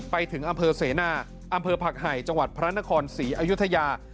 ไปถึงอำเภอเสนาอำเภอผักไห่จังหวัดพระนครศรีอยุธยา